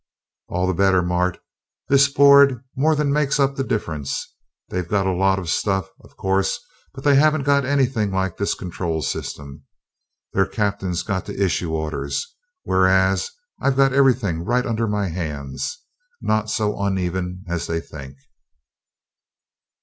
"All the better, Mart. This board more than makes up the difference. They've got a lot of stuff, of course, but they haven't got anything like this control system. Their captain's got to issue orders, whereas I've got everything right under my hands. Not so uneven as they think!"